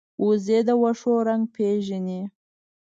وزې د واښو رنګ پېژني